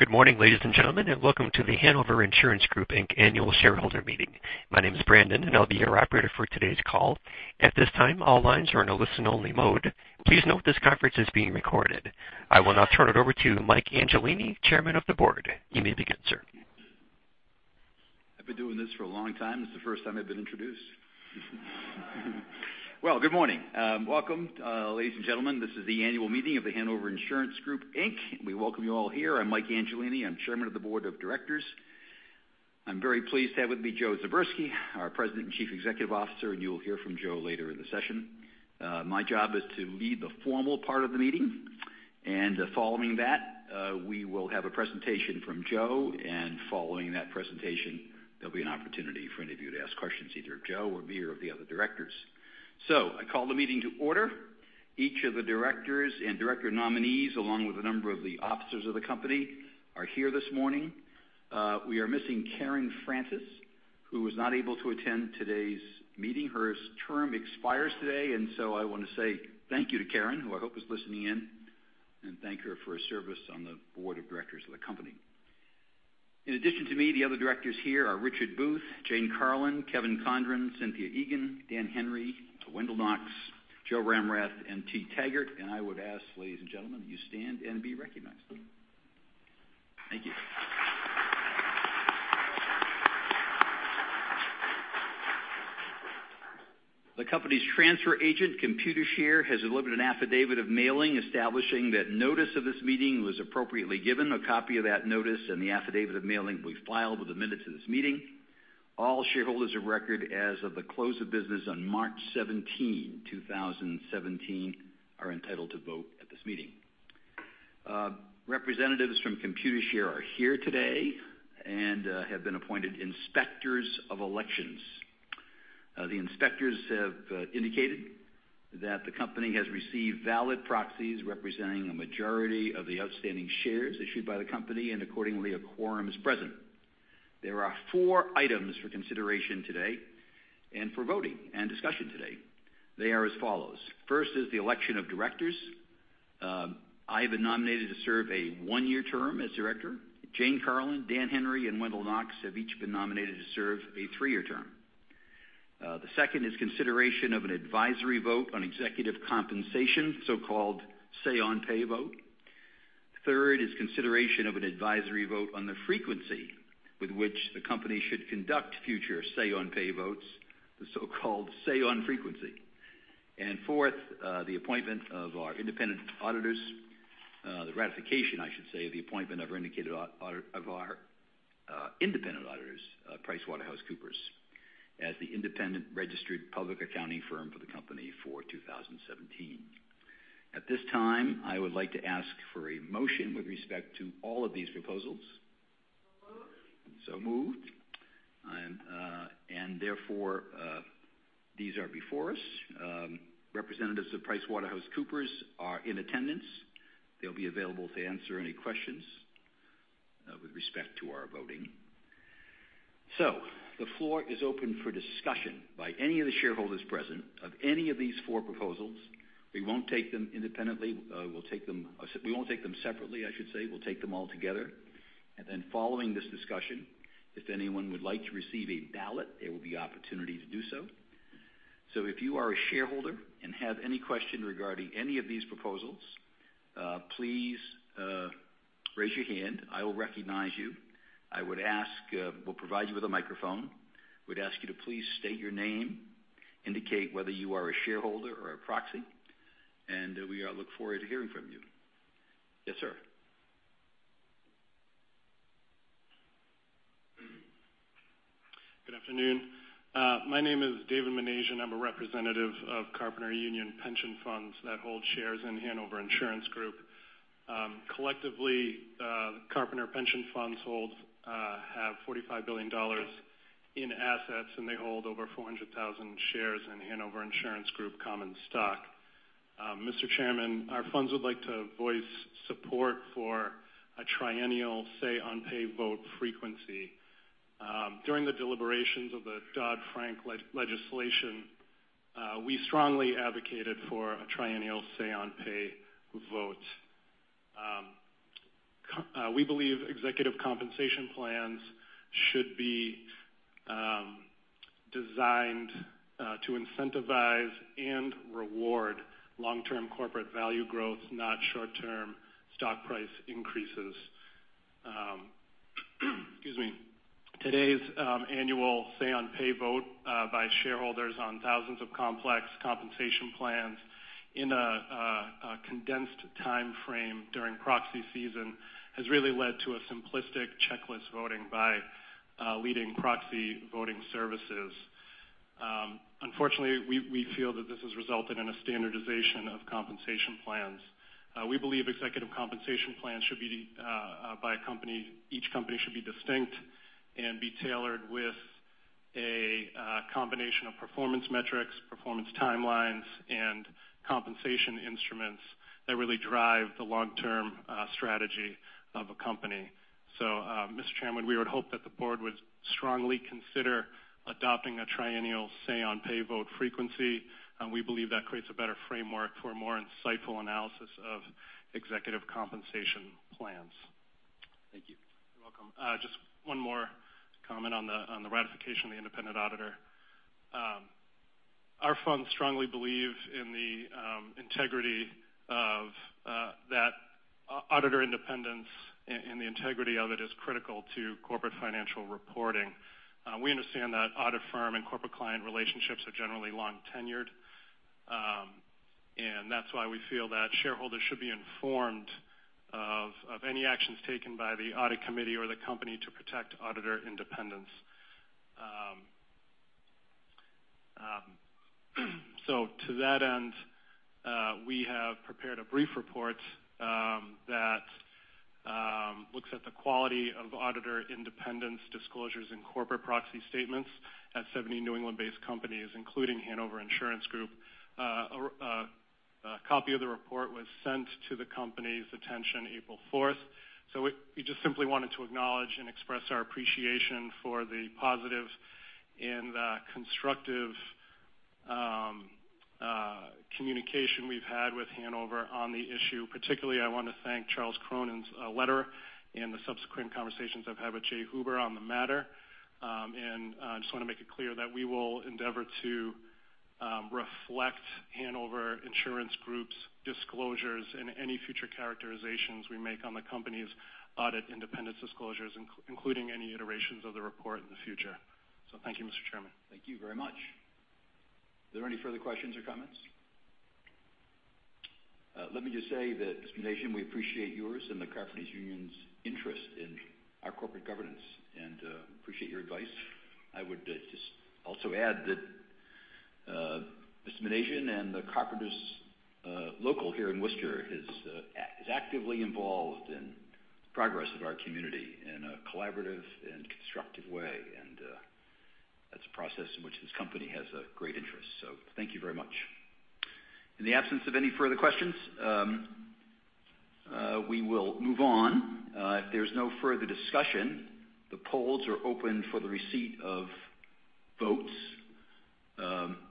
Good morning, ladies and gentlemen. Welcome to The Hanover Insurance Group, Inc. Annual Shareholder Meeting. My name is Brandon. I'll be your operator for today's call. At this time, all lines are in a listen-only mode. Please note this conference is being recorded. I will now turn it over to Mike Angelini, Chairman of the Board. You may begin, sir. I've been doing this for a long time. This is the first time I've been introduced. Well, good morning. Welcome, ladies and gentlemen. This is the annual meeting of The Hanover Insurance Group, Inc. We welcome you all here. I'm Mike Angelini. I'm Chairman of the Board of Directors. I'm very pleased to have with me Joe Zubretsky, our President and Chief Executive Officer. You'll hear from Joe later in the session. My job is to lead the formal part of the meeting. Following that, we will have a presentation from Joe. Following that presentation, there'll be an opportunity for any of you to ask questions, either of Joe or me or of the other directors. I call the meeting to order. Each of the directors and director nominees, along with a number of the officers of the company, are here this morning. We are missing Karen Francis, who was not able to attend today's meeting. Her term expires today. I want to say thank you to Karen, who I hope is listening in, and thank her for her service on the board of directors of the company. In addition to me, the other directors here are Richard Booth, Jane Carlin, Kevin Condron, Cynthia Egan, Dan Henry, Wendell Knox, Joe Ramrath, and T. Taggart. I would ask, ladies and gentlemen, that you stand and be recognized. Thank you. The company's transfer agent, Computershare, has delivered an affidavit of mailing establishing that notice of this meeting was appropriately given. A copy of that notice and the affidavit of mailing will be filed with the minutes of this meeting. All shareholders of record as of the close of business on March 17, 2017, are entitled to vote at this meeting. Representatives from Computershare are here today and have been appointed Inspectors of Elections. The inspectors have indicated that the company has received valid proxies representing a majority of the outstanding shares issued by the company. Accordingly, a quorum is present. There are four items for consideration today and for voting and discussion today. They are as follows. First is the election of directors. I have been nominated to serve a one-year term as director. Jane Carlin, Dan Henry, and Wendell Knox have each been nominated to serve a three-year term. The second is consideration of an advisory vote on executive compensation, so-called say-on-pay vote. Third is consideration of an advisory vote on the frequency with which the company should conduct future say-on-pay votes, the so-called say on frequency. Fourth, the appointment of our independent auditors. The ratification, I should say, the appointment of our independent auditors, PricewaterhouseCoopers, as the independent registered public accounting firm for the company for 2017. At this time, I would like to ask for a motion with respect to all of these proposals. So moved. So moved. Therefore, these are before us. Representatives of PricewaterhouseCoopers are in attendance. They'll be available to answer any questions with respect to our voting. The floor is open for discussion by any of the shareholders present of any of these four proposals. We won't take them independently. We won't take them separately, I should say. We'll take them all together. And then following this discussion, if anyone would like to receive a ballot, there will be opportunity to do so. If you are a shareholder and have any question regarding any of these proposals, please raise your hand. I will recognize you. We'll provide you with a microphone. We'd ask you to please state your name, indicate whether you are a shareholder or a proxy, and we look forward to hearing from you. Yes, sir. Good afternoon. My name is David Menasian. I'm a representative of Carpenters Union Pension Funds that hold shares in Hanover Insurance Group. Collectively, Carpenters Pension Funds have $45 billion in assets, and they hold over 400,000 shares in Hanover Insurance Group common stock. Mr. Chairman, our funds would like to voice support for a triennial say-on-pay vote frequency. During the deliberations of the Dodd-Frank legislation, we strongly advocated for a triennial say-on-pay vote. We believe executive compensation plans should be designed to incentivize and reward long-term corporate value growth, not short-term stock price increases. Excuse me. Today's annual say-on-pay vote by shareholders on thousands of complex compensation plans in a condensed timeframe during proxy season has really led to a simplistic checklist voting by leading proxy voting services. Unfortunately, we feel that this has resulted in a standardization of compensation plans. We believe executive compensation plans should be by a company. Each company should be distinct and be tailored with a combination of performance metrics, performance timelines, and compensation instruments that really drive the long-term strategy of a company. Mr. Chairman, we would hope that the board would strongly consider adopting a triennial say-on-pay vote frequency. We believe that creates a better framework for a more insightful analysis of executive compensation plans. Thank you. You're welcome. To that end, just one more comment on the ratification of the independent auditor. Our fund strongly believes in the integrity of that auditor independence, and the integrity of it is critical to corporate financial reporting. We understand that audit firm and corporate client relationships are generally long-tenured, and that's why we feel that shareholders should be informed of any actions taken by the audit committee or the company to protect auditor independence. To that end, we have prepared a brief report that looks at the quality of auditor independence disclosures in corporate proxy statements at 70 New England-based companies, including The Hanover Insurance Group. A copy of the report was sent to the company's attention April 4th. We just simply wanted to acknowledge and express our appreciation for the positive and constructive communication we've had with Hanover on the issue. Particularly, I want to thank Charles Cronin's letter and the subsequent conversations I've had with Jay Huber on the matter. I just want to make it clear that we will endeavor to reflect The Hanover Insurance Group's disclosures in any future characterizations we make on the company's audit independence disclosures, including any iterations of the report in the future. Thank you, Mr. Chairman. Thank you very much. Are there any further questions or comments? Let me just say that Mr. Menasian, we appreciate yours and the Carpenters Union's interest in our corporate governance and appreciate your advice. I would just also add that Mr. Menasian and the Carpenters local here in Worcester is actively involved in the progress of our community in a collaborative and constructive way. That's a process in which this company has a great interest. Thank you very much. In the absence of any further questions, we will move on. If there's no further discussion, the polls are open for the receipt of votes.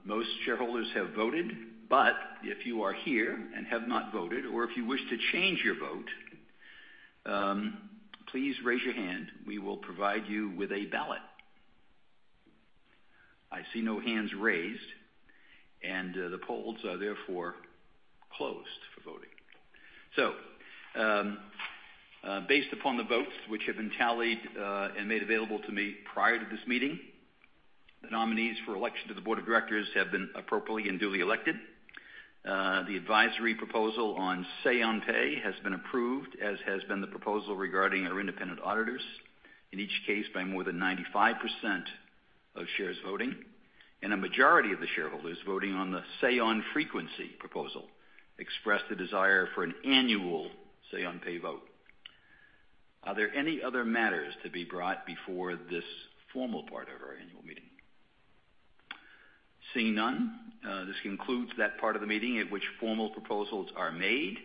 Most shareholders have voted, but if you are here and have not voted or if you wish to change your vote, please raise your hand. We will provide you with a ballot. I see no hands raised, and the polls are therefore closed for voting. Based upon the votes, which have been tallied and made available to me prior to this meeting, the nominees for election to the board of directors have been appropriately and duly elected. The advisory proposal on say-on-pay has been approved, as has been the proposal regarding our independent auditors in each case by more than 95% of shares voting. A majority of the shareholders voting on the say on frequency proposal expressed the desire for an annual say-on-pay vote. Are there any other matters to be brought before this formal part of our annual meeting? Seeing none, this concludes that part of the meeting at which formal proposals are made.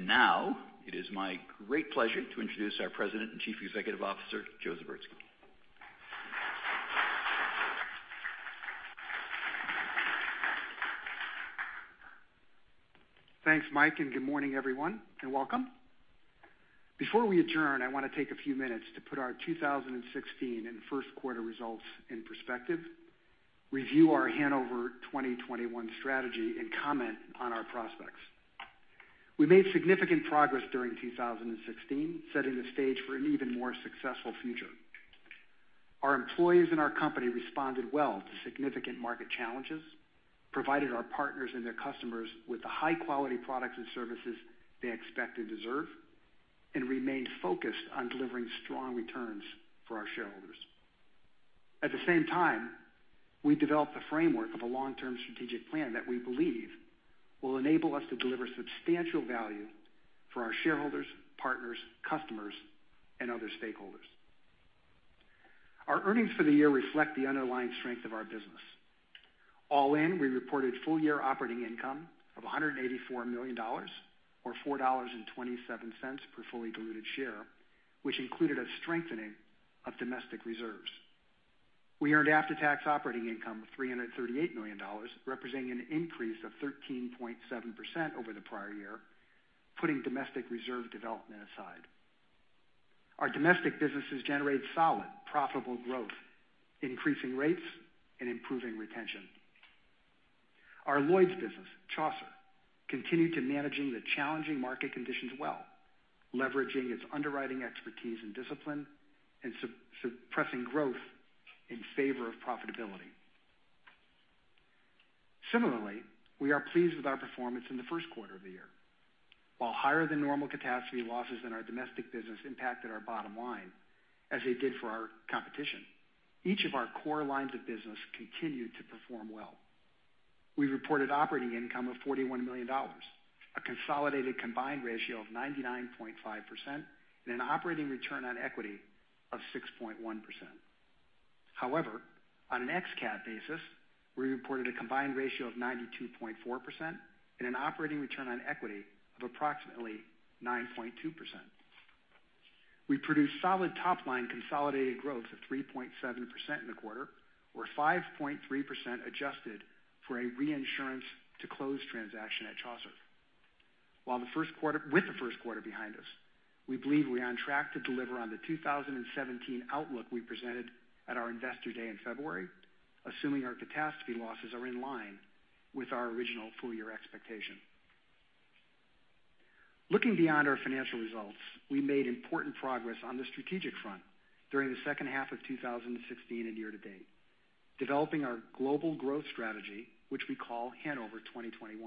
Now it is my great pleasure to introduce our President and Chief Executive Officer, Joseph Zubretsky. Thanks, Mike, and good morning, everyone, and welcome. Before we adjourn, I want to take a few minutes to put our 2016 and first quarter results in perspective, review our Hanover 2021 strategy, and comment on our prospects. We made significant progress during 2016, setting the stage for an even more successful future. Our employees and our company responded well to significant market challenges, provided our partners and their customers with the high-quality products and services they expect and deserve, and remained focused on delivering strong returns for our shareholders. At the same time, we developed the framework of a long-term strategic plan that we believe will enable us to deliver substantial value for our shareholders, partners, customers, and other stakeholders. Our earnings for the year reflect the underlying strength of our business. All in, we reported full-year operating income of $184 million, or $4.27 per fully diluted share, which included a strengthening of domestic reserves. We earned after-tax operating income of $338 million, representing an increase of 13.7% over the prior year, putting domestic reserve development aside. Our domestic businesses generate solid, profitable growth, increasing rates, and improving retention. Our Lloyd's business, Chaucer, continued to managing the challenging market conditions well, leveraging its underwriting expertise and discipline and suppressing growth in favor of profitability. Similarly, we are pleased with our performance in the first quarter of the year. While higher-than-normal catastrophe losses in our domestic business impacted our bottom line, as it did for our competition, each of our core lines of business continued to perform well. We reported operating income of $41 million, a consolidated combined ratio of 99.5%, and an operating return on equity of 6.1%. However, on an ex-CAT basis, we reported a combined ratio of 92.4% and an operating return on equity of approximately 9.2%. We produced solid top-line consolidated growth of 3.7% in the quarter or 5.3% adjusted for a reinsurance to close transaction at Chaucer. With the first quarter behind us, we believe we're on track to deliver on the 2017 outlook we presented at our investor day in February, assuming our catastrophe losses are in line with our original full-year expectation. Looking beyond our financial results, we made important progress on the strategic front during the second half of 2016 and year to date, developing our global growth strategy, which we call Hanover 2021.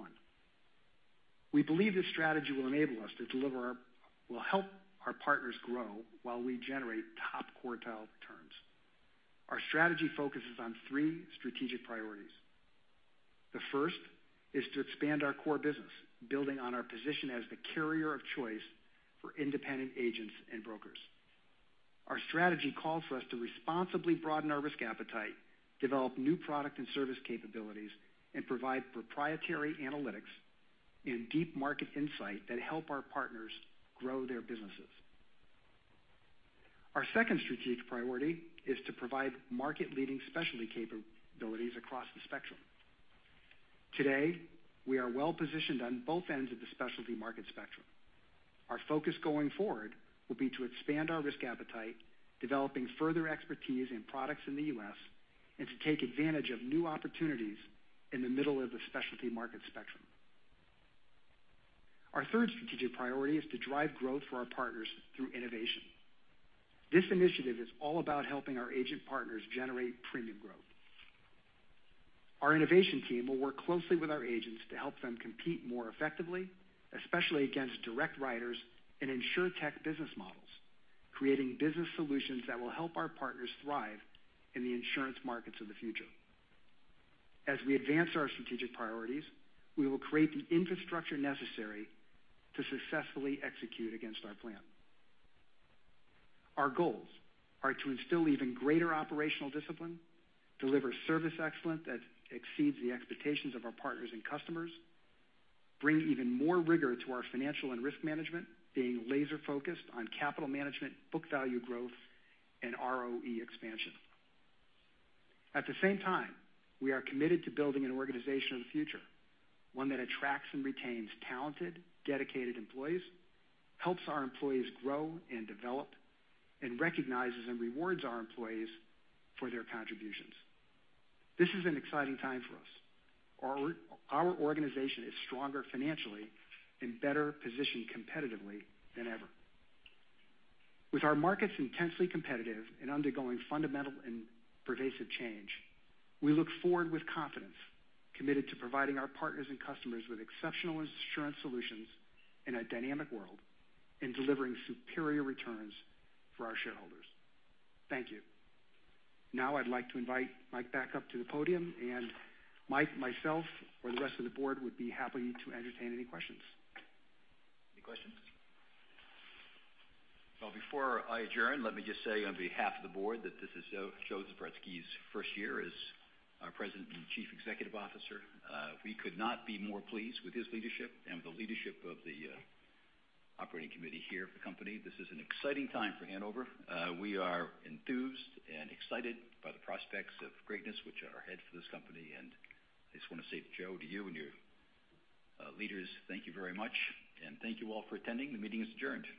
We believe this strategy will help our partners grow while we generate top quartile returns. Our strategy focuses on three strategic priorities. The first is to expand our core business, building on our position as the carrier of choice for independent agents and brokers. Our strategy calls for us to responsibly broaden our risk appetite, develop new product and service capabilities, and provide proprietary analytics and deep market insight that help our partners grow their businesses. Our second strategic priority is to provide market-leading specialty capabilities across the spectrum. Today, we are well-positioned on both ends of the specialty market spectrum. Our focus going forward will be to expand our risk appetite, developing further expertise in products in the U.S., and to take advantage of new opportunities in the middle of the specialty market spectrum. Our third strategic priority is to drive growth for our partners through innovation. This initiative is all about helping our agent partners generate premium growth. Our innovation team will work closely with our agents to help them compete more effectively, especially against direct writers and Insurtech business models, creating business solutions that will help our partners thrive in the insurance markets of the future. As we advance our strategic priorities, we will create the infrastructure necessary to successfully execute against our plan. Our goals are to instill even greater operational discipline, deliver service excellence that exceeds the expectations of our partners and customers, bring even more rigor to our financial and risk management, being laser-focused on capital management, book value growth, and ROE expansion. At the same time, we are committed to building an organization of the future, one that attracts and retains talented, dedicated employees, helps our employees grow and develop, and recognizes and rewards our employees for their contributions. This is an exciting time for us. Our organization is stronger financially and better positioned competitively than ever. With our markets intensely competitive and undergoing fundamental and pervasive change, we look forward with confidence, committed to providing our partners and customers with exceptional insurance solutions in a dynamic world and delivering superior returns for our shareholders. Thank you. Now I'd like to invite Mike back up to the podium, and Mike, myself, or the rest of the board would be happy to entertain any questions. Any questions? Well, before I adjourn, let me just say on behalf of the board that this is Joe Zubretsky's first year as our President and Chief Executive Officer. We could not be more pleased with his leadership and with the leadership of the operating committee here of the company. This is an exciting time for Hanover. I just want to say, Joe, to you and your leaders, thank you very much, and thank you all for attending. The meeting is adjourned.